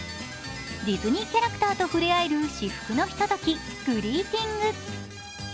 ディズニーキャラクターと触れあえる至福のひととき、グリーティング。